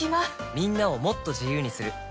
みんなをもっと自由にする「三菱冷蔵庫」